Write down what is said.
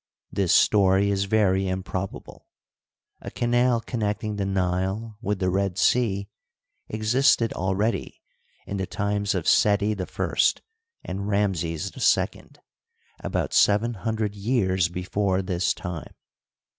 Tnis story is very improbable. A canal connecting the Nile with the Red Sea existed already in the times of Seti I and Ramses H, about seven hundred years before this time.